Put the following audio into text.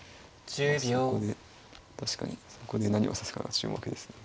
そこで確かにそこで何を指すかが注目ですね。